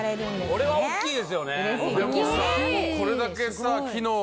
これは大きいですよね大きい！